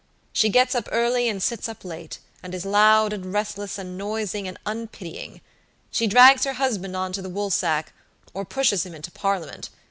She gets up early and sits up late, and is loud, and restless, and noisy, and unpitying. She drags her husband on to the woolsack, or pushes him into Parliament.